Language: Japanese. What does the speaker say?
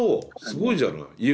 すごいじゃない。